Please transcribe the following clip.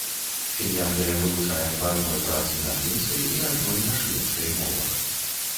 Фінляндыя вылучае па адной працы на фінскай і адной на шведскай мовах.